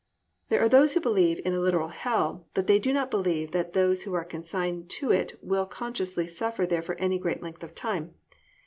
There are those who believe in a literal hell, but they do not believe that those who are consigned to it will consciously suffer there for any great length of time.